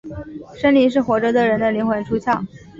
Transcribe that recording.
生灵是活着的人的灵魂出窍。